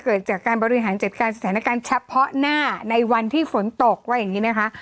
เกิดจากการบริหารจัดการสถานการณ์เฉพาะหน้าในวันที่ฝนตกว่าอย่างนี้นะคะ